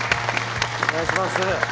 お願いします。